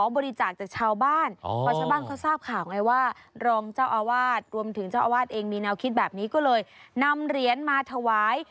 มีแนวคิดแบบนี้ก็เลยนำเหรียญมาถวาย